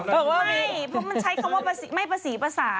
ผมใช้คำว่าไม่ประสีประสา